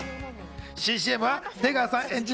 新ＣＭは出川さん演じる